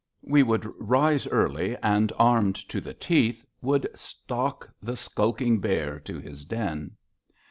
We would rise early, and, armed to the teeth, would stalk the skulking bear to his den.